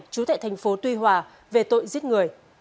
chú tệ thành phố tuy hòa về tội giết người